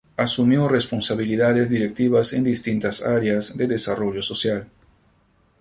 Asumió responsabilidades directivas en distintas áreas de desarrollo social.